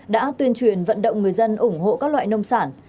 đã tuyên truyền vận động người dân ủng hộ các loại nông sản